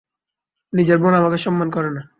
নিজের বোন আমাকে সম্মান করে না।